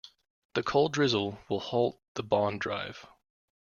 The cold drizzle will halt the bond drive.